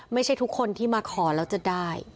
ไม่ใช่ทุกคนที่มาขอแล้วจะได้